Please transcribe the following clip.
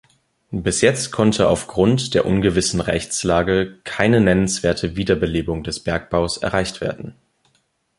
Bis jetzt konnte aufgrund der ungewissen Rechtslage keine nennenswerte Wiederbelebung des Bergbaus erreicht werden.